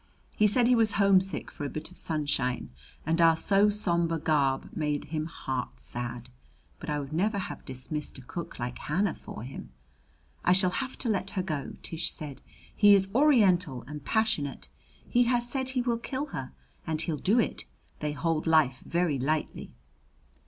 He said he was homesick for a bit of sunshine, and our so somber garb made him heart sad. But I would never have dismissed a cook like Hannah for him. "I shall have to let her go," Tish said. "He is Oriental and passionate. He has said he will kill her and he'll do it. They hold life very lightly."